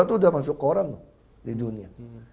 udah masuk koran loh di dunia